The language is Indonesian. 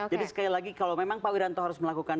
jadi sekali lagi kalau memang pak wiranto harus melakukan